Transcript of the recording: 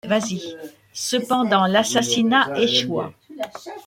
Cependant, l'assassinat échoua.